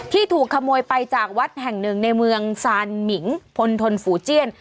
ที่ถูกขโมยไปจากวัดแห่งหนึ่งในเมืองซานมิงพลทนฝูเจียน